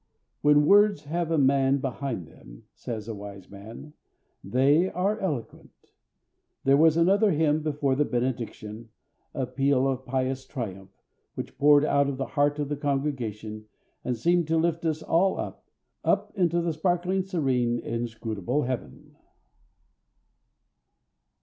When words have a man behind them, says a wise man, they are eloquent. There was another hymn before the benediction, a peal of pious triumph, which poured out of the heart of the congregation, and seemed to lift us all up, up into the sparkling, serene, inscrutable heaven.